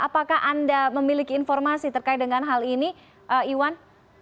apakah anda memiliki informasi terkait dengan hal ini iwan